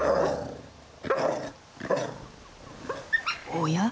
おや？